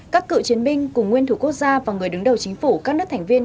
các cựu chiến binh cùng nguyên thủ quốc gia và người đứng đầu chính phủ các nước thành viên